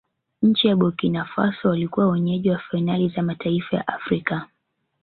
nchi ya burkina faso walikuwa wenyeji wa fainali za mataifa ya afrika